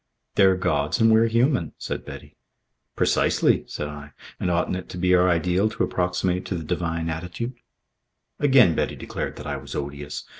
"They're gods and we're human," said Betty. "Precisely," said I. "And oughtn't it to be our ideal to approximate to the divine attitude?" Again Betty declared that I was odious.